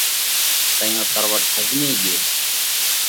تئيون تروٽ ۿزمي ڳيو۔